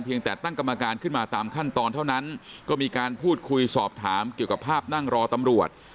ยังแต่ตั้งกรรมการขึ้นมาตามขั้นตอนเท่านั้นก็มีการพูดคุยสอบถามเกี่ยวกับภาพนั่งรอตำรวจ